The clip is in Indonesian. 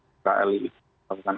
melakukan agresi besar besaran